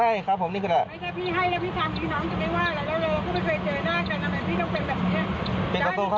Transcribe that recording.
ถ้าให้น้องลากพี่ออกมากระทั่งข้างนอกไหมออกมาแล้ว